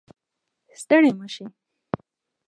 ستړی مه شې